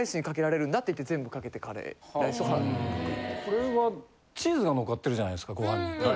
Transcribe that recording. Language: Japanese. これはチーズが乗っかってるじゃないですかご飯に。